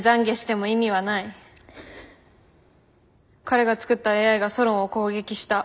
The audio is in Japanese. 彼が作ったＡＩがソロンを攻撃した。